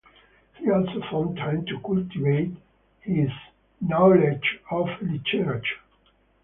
He also found time to cultivate the his knowledge of literature.